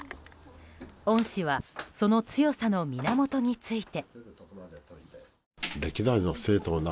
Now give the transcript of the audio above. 恩師はその強さの源について。